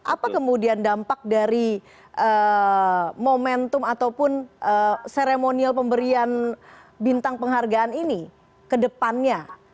apa kemudian dampak dari momentum ataupun seremonial pemberian bintang penghargaan ini ke depannya